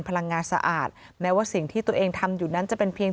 พลังงานสะอาดแม้ว่าสิ่งที่ตัวเองทำอยู่นั้นจะเป็นเพียง